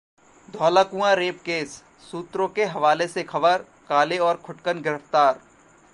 Dhaulakuan rape case: सूत्रों के हवाले से खबर, काले और खुटकन गिरफ्तार